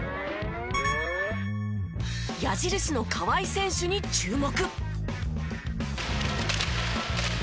矢印の川井選手に注目。